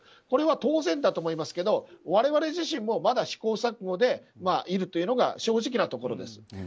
これは当然だと思いますけど我々自身もまだ試行錯誤でいるというのが正直なところです。